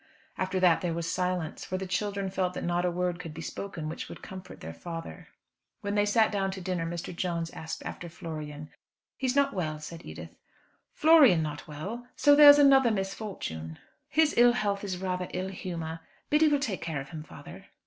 After that there was silence, for the children felt that not a word could be spoken which would comfort their father. When they sat down to dinner, Mr. Jones asked after Florian. "He's not well," said Edith. "Florian not well! So there's another misfortune." "His ill health is rather ill humour. Biddy will take care of him, father."